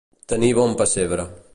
Tenir bon pessebre.